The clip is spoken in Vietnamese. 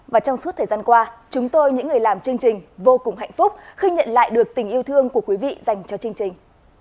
và trong suốt thời gian qua chúng tôi những người làm chương trình vô cùng hạnh phúc khi nhận lại được tình yêu thương của quý vị dành cho chương trình